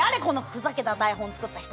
ふざけた台本作った人。